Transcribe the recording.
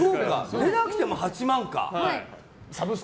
出なくても８万か。